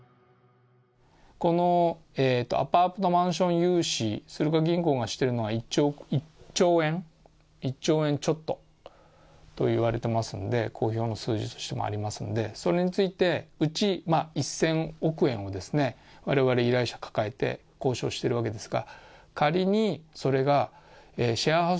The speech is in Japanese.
このアパート・マンション融資、スルガ銀行がしているのは１兆円ちょっとと言われていますので、公表の数字としてもありますのでそれについて、うち１０００億円を我々、依頼者抱えて、交渉しているわけですが。